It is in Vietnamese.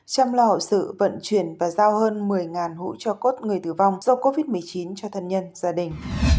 chăm lo hậu sự vận chuyển và giao hơn một mươi hộ cho cốt người tử vong do covid một mươi chín cho thân nhân gia đình